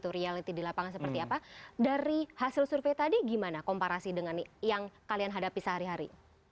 reality di lapangan seperti apa dari hasil survei tadi gimana komparasi dengan yang kalian hadapi sehari hari